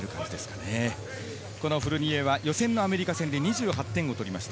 フルニエは予選のアメリカ戦で２８点を取りました。